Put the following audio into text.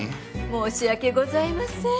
申し訳ございません。